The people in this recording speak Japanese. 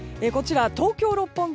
東京・六本木